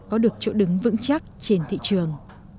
có được chỗ đứng vững chắc trên thị trường